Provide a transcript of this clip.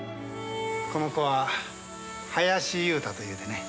この子は林雄太というてね。